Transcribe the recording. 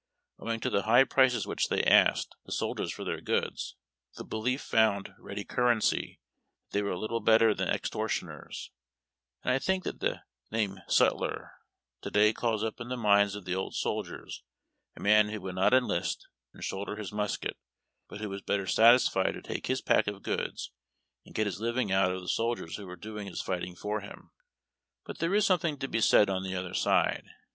Owing to the high prices which they asked the soldiers for their goods, the belief found ready currency that they were little better than extortioners; and I think that the name "sutler" to day calls up in the minds of the old soldiers a man who would not enlist and shoulder his musket, but who was better sat isfied to take his pack of goods and get his living out of the soldiers who were doing his fighting for him. But there is something to be said on the other side.